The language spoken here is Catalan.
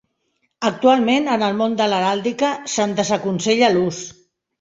Actualment, en el món de l'heràldica se'n desaconsella l'ús.